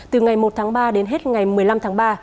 từ ngày một tháng ba đến hết ngày một mươi năm tháng ba